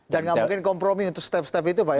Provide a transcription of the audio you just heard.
dan gak mungkin kompromi untuk step step itu pak ya